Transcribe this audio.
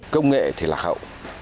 công nghệ thì lạc hậu